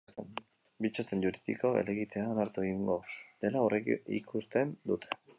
Bi txosten juridikok helegitea onartu egingo dela aurreikusten dute.